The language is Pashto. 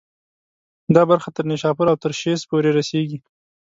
دا برخه تر نیشاپور او ترشیز پورې رسېږي.